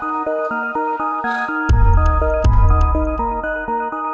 kaun pa memutuskan interior